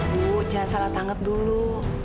ibu jangan salah tanggap dulu